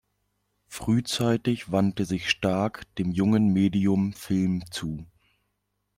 Frühzeitig wandte sich Stark dem jungen Medium Film zu.